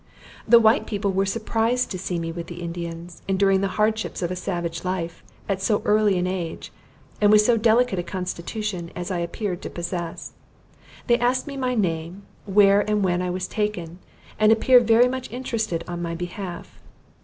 The white people were surprized to see me with the Indians, enduring the hardships of a savage life, at so early an age, and with so delicate a constitution as I appeared to possess. They asked me my name; where and when I was taken and appeared very much interested on my behalf.